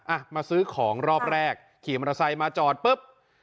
อ่ะมาซื้อของรอบแรกขี่มันรสัยมาจอดปึ๊บ